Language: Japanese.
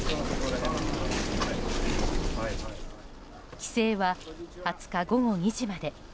規制は２０日午後２時まで。